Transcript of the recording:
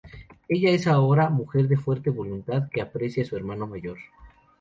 Ella es ahora una mujer de fuerte voluntad que aprecia su hermano mayor.